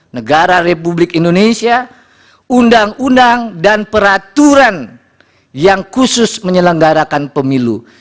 negara republik indonesia undang undang dan peraturan yang khusus menyelenggarakan pemilu